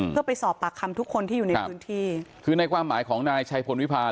เพื่อไปสอบปากคำทุกคนที่อยู่ในพื้นที่คือในความหมายของนายชัยพลวิพาล